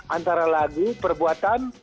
antara lagu perbuatan